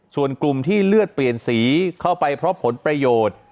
ส่วนกลุ่มที่เลือดเปลี่ยนสีเข้าไปเพราะผลประโยชน์